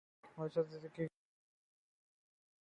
عائشہ صدیقہ رض اس مطالبہ کے ساتھ میدان میں آئیں